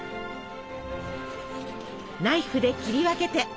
ナイフで切り分けて。